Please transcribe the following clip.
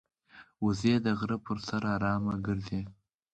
وزې د غره پر سر آرامه ګرځي